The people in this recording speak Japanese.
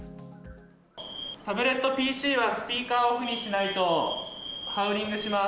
タブレットＰＣはスピーカーをオフにしないとハウリングします。